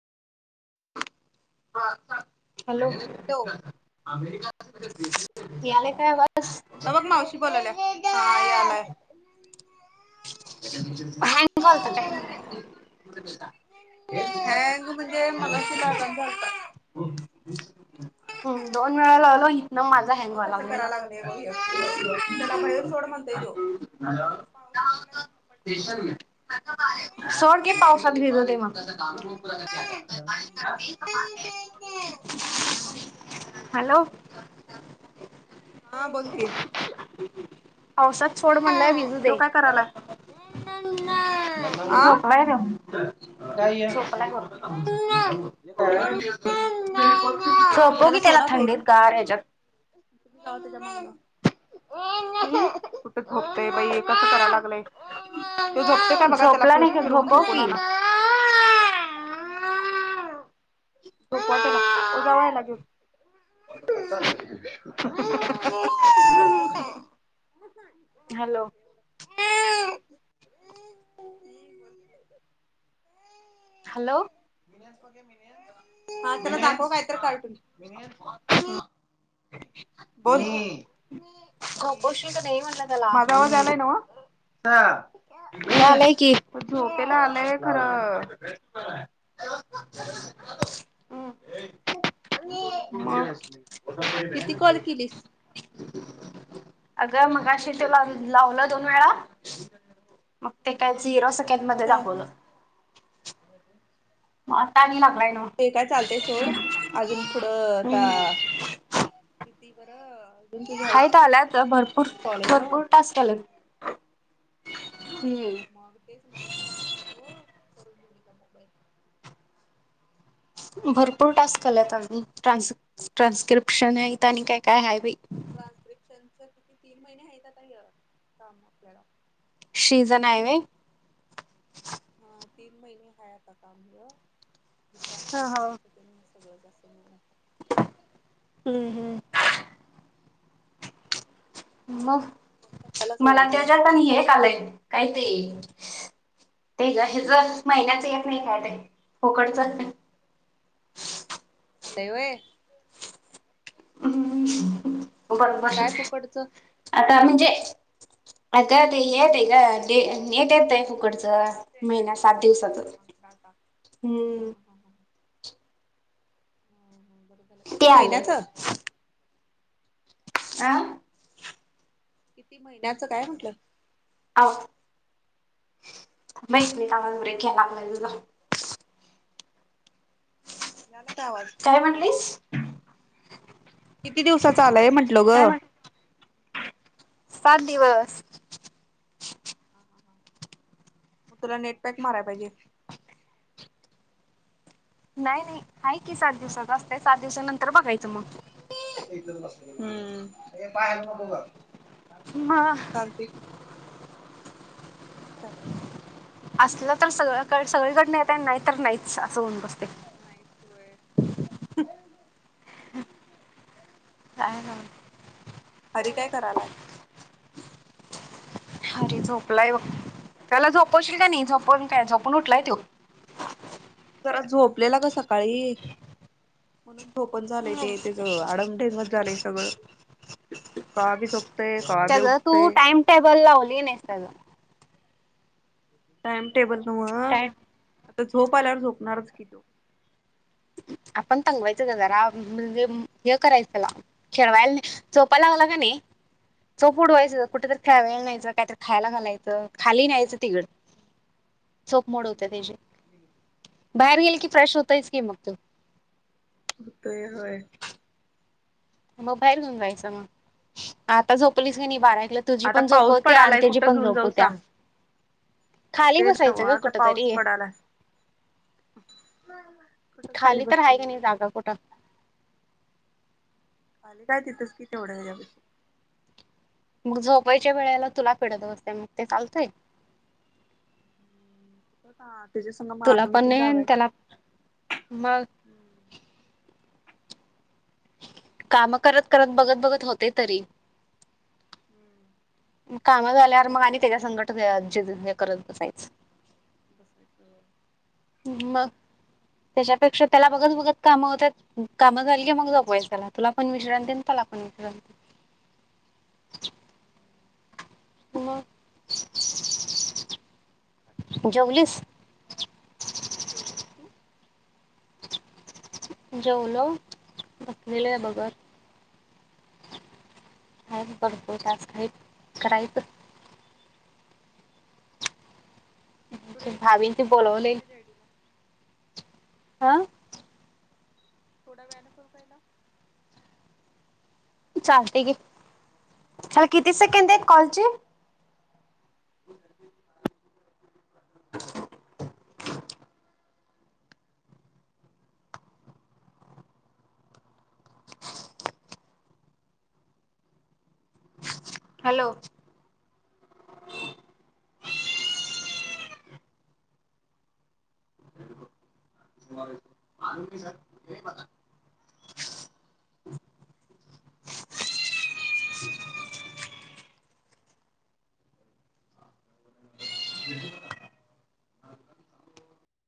ह हॅलो गेले काय बस नयाला [unintelligible] होलत [unintelligible] [unintelligible] ते मग श जातात [unintelligible] हम्म दोन वेळा ला आलो नग माझा हँंगवा लागलेला सोडकी पावसात भिजते म [unintelligible] दुधू पाहिजे दुधू [unintelligible] हॅलो हा बोलते पावसात सोड म्हणलंय भिजू तो दे काय करायला नन ना आ [unintelligible] तर [unintelligible] हे काय? झोपव की त्याला थंडीत गार हेझ्यात त जमा [unintelligible] हम् कुठ झोपते बाई कसं करायला लागलंय त झोपते काय बघा त्याला झोपला नाही का फिरवून झोपून [unintelligible] झोपव्हा त्याला ओ जावा ह्याला घेऊन. [unintelligible] अम्. हॅलो. हा त्याला दाखव काहीतर कार्टून हो. बोलशील की नाही म्हणल त्याला हा. आलाय की हम्. री [unintelligible] अग मगाशी ते लावलं दोन वेळा मग ते काय झिरो सेकंदमध्ये दाखवलं. मता [unintelligible] ते काय चालतय सोड अजून पुढं आता हम्म. तिवरा [unintelligible] हाय तर आल्यात भरपूर भरपूर टास्क आल्यात. मग तेच म्हणून यातुला म्हणालतो करून घेऊ मचा मोबाईल भरपूर टास्क केल्यात आम्ही ट्रान्स्क्रिप्शन आहेत आणि काय काय आहे बाई. ट्रान्स्क्रिप्शन च किती तीन महिने आहेत आता काम आपल्याला शीजन आहे व्हय. हा तीन महिने हाय आता काम हा हा ट्रान्स्क्रिप्शनच तगळ जाश म [unintelligible] हम्म हम्म. मग मला त्याच्यातनी हे आलंय काही ते ते ज महिन्याच येत नाही काय ते कोकडच. [unintelligible] आलंय होय. हम बरोबर आता आम्ही काय काय येतंय नेट येतंय फुकटच. डेटा डेटा हा हम्म हा. बरो ते किती आलंय महिन्याच आ. किती महिन्याचं काय म्हटलं. हाव. माहित नाही काग बरे घ्या लागलाय तुझ. काय म्हणलीस? किती दिवसाचा आलाय म्हंटल काय ग. म्हण सात दिवस. मग तुला नेटपॅक मारायला पाहिजे. नाही नाही आहे की सात दिवसाच असतंय सात दिवसानंतर बघायचं मग इथ बस हे बाहेर नको ग. मग चालतंय. मग काय? असलं तर सगळ सगळीकडन येत नाही तर नाहीच असं होऊन बसतंय. ह. काय ह. अरे काय करायलाय? झोपलाय बग. त्याला झोपशील कने? झोपून काय झोपून उठलाय त्यो. जरा झोपलेला गं सकाळी. म्हणून झो पण झालंय हम्म. ते. त्यज आडमदेनग झालंय सगळं. कवाबी झोप त्याला तू टाइम टेबल लावली नाहीस त्यज. टाइम टेबल टाइम झोप आल्यावर झोपणारच की त्यो. आपण तंगवायचं गं जरा म्हणजे हे करायचं त्यला खेळवायला नाही, झोप यला लागलाकने, झोप उडवायचं कुठंतरी खेळायला न्यायचं. काय तर खायला घालायचं खाली ण्यायचं तिकडं. झोप मोड होत्या त्यजी. बाहेर गेलं की फ्रेश होतायचं की मग तू हुतंय होय. मग बाहेर घेऊन जायचं मग. आता झोपवलीस कने बारा-एक पलं तुझी पण झोप होते आणि त्यझी पण झोप होत्या खाली बसायचं गं कुठं तरी कुठं खाली तर आहे का नाही बसतीस? जागा कुठं खाली काय तिथस कि तेवढं [inaudible] मग झोपायच्या वेळेला तुला पीडत बसत्या मग ते चालतंय? [inaudible] तुला पण नाही आणि त्यला, मग कामं करत-करत बघत-बघत होतंय तरी हम्म! मं कामं झाल्यार मग आणि त्याच्या संघट झी हे करत बसायचं मग [unintelligible] त्याच्यापेक्षा त्यला बघत-बघत कामं होत्यात. कामं झाली की मग झोपवायचं त्याला तुला पण विश्रांती अन त्यला पण विश म, जेवलीस? जेवलो बग, तू? जेवलो. बसलेलं बगत. बघतो टास्क हाईत करायचं. कित्तुरे, भाभींची तिनं फोन बोलवले केल्या जायडीला. आह? थोडं वेळानं फोन कराय लावू? चालतंय गे. तुला किती सेकंडाइत कॉलचे? [unintelligible] हॅलो! [unintelligible] [unintelligible] [unintelligible]